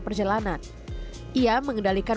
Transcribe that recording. perjalanan ia mengendalikan